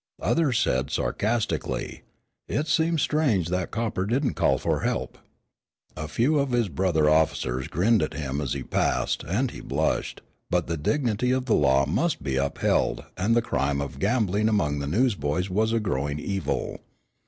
Others said sarcastically, "It seems strange that 'copper' didn't call for help." A few of his brother officers grinned at him as he passed, and he blushed, but the dignity of the law must be upheld and the crime of gambling among the newsboys was a growing evil.